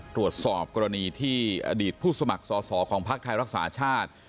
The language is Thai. ตรวจสอบกรณีที่อดีตผู้สมัครสอสอของภักดิ์ไทยรักษาชาติ